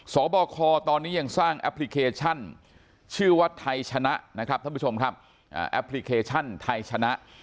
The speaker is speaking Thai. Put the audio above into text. สบคตอนนี้ยังสร้างแอปพลิเคชั่นอากาศชื่อว่าไทยชนะแอปพลิเคชั่น